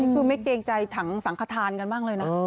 คือไม่เกรงใจถังสังขทานกันบ้างเลยนะ